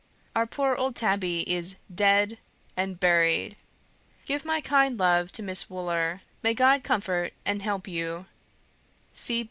Our poor old Tabby is DEAD and BURIED. Give my kind love to Miss Wooler. May God comfort and help you.